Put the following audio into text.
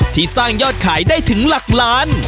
ที่สร้างยอดขายได้ถึงหลักล้าน